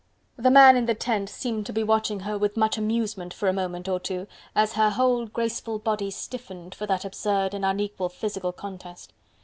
The man in the tent seemed to be watching her with much amusement for a moment or two, as her whole graceful body stiffened for that absurd and unequal physical contest.